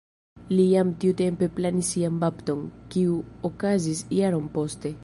Li jam tiutempe planis sian bapton, kiu okazis jaron poste.